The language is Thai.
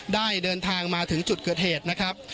ได้เดินทางมาถึงจุดเกิดเหตุนะครับ